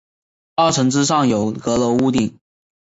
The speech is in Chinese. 二层之上有阁楼屋顶。